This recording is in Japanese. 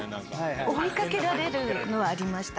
追い掛けられるのはありました。